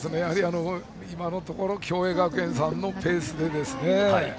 今のところ共栄学園さんのペースですね。